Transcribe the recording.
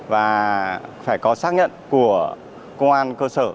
và phải có xác nhận của công an cơ sở